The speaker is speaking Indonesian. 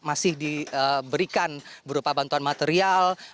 masih diberikan berupa bantuan material